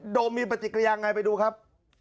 โมมีปฏิกิริยาไงไปดูครับ